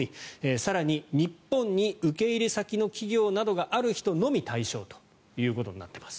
更に日本に受け入れ先の企業がある人のみ対象ということになっています。